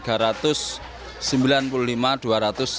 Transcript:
kalau surat suara yang kita kirimkan itu plus dua lima persen